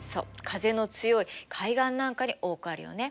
風の強い海岸なんかに多くあるよね。